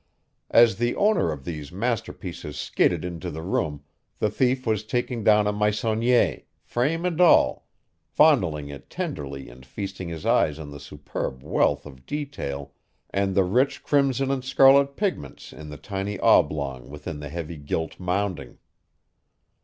As the owner of these masterpieces skidded into the room the thief was taking down a Meissonier, frame and all, fondling it tenderly and feasting his eyes on the superb wealth of detail and the rich crimson and scarlet pigments in the tiny oblong within the heavy gilt mounting.